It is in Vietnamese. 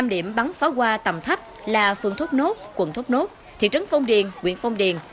năm điểm bắn pháo hoa tầm thấp là phường thốt nốt quận thốt nốt thị trấn phong điền